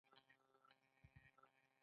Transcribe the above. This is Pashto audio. په مقابل کې یې بانکوال دوه سلنه ګټه ورکوي